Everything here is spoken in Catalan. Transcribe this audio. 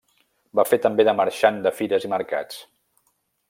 Va fer també de marxant de fires i mercats.